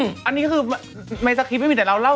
อันนี้ก็คือในสคริปต์ไม่มีแต่เราเล่า